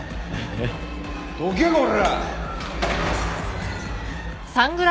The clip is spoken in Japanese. ・どけこらぁ！